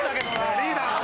リーダー。